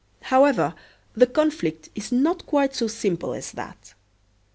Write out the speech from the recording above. However, the conflict is not quite so simple as that.